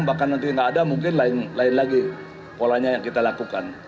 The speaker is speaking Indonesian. bahkan nanti nggak ada mungkin lain lagi polanya yang kita lakukan